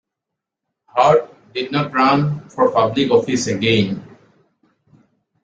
Hart did not run for public office again.